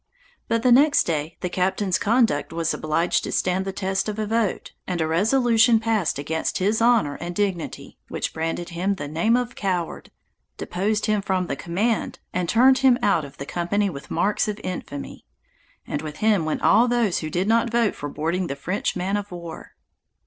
But the next day, the captain's conduct was obliged to stand the test of a vote, and a resolution passed against his honor and dignity, which branded him with the name of coward, deposed him from the command, and turned him out of the company with marks of infamy; and with him went all those who did not vote for boarding the French man of war.